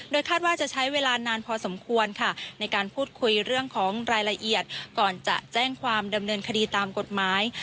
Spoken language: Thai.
คาดว่าจะใช้เวลานานพอสมควรค่ะในการพูดคุยเรื่องของรายละเอียดก่อนจะแจ้งความดำเนินคดีตามกฎหมาย